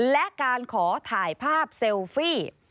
และการขอถ่ายภาพเซลฟี่